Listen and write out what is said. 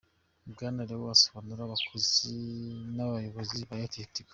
Bwana Leo asobanurira abakozi n'abayobozi ba AirtelTigo.